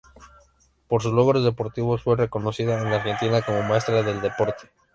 Por sus logros deportivos fue reconocida en Argentina como Maestra del Deporte.